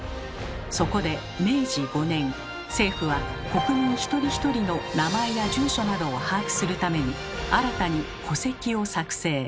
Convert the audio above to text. そこで明治５年政府は国民一人一人の名前や住所などを把握するために新たに「戸籍」を作成。